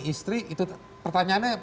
istri itu pertanyaannya